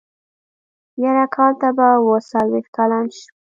يره کال ته به اوه څلوېښت کلن شم.